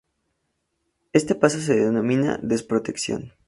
Este paso se denomina desprotección.